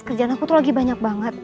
kerjaan aku tuh lagi banyak banget